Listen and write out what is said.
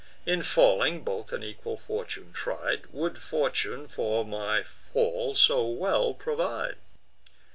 In falling, both an equal fortune tried; Would fortune for my fall so well provide!"